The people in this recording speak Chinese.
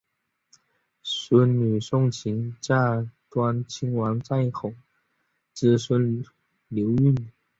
孙女诵琴嫁端亲王载漪之孙毓运。